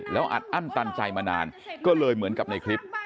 แล้วอัดอั้นตันใจมานานก็เลยเหมือนกับในคลิป